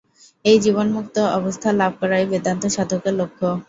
এই জীবন্মুক্ত অবস্থা লাভ করাই বেদান্ত-সাধকের লক্ষ্য।